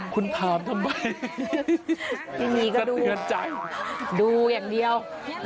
คุณถามทำไมสะเทือนใจดูอย่างเดียว